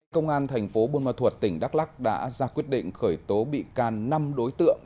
công an thành phố buôn ma thuật tỉnh đắk lắc đã ra quyết định khởi tố bị can năm đối tượng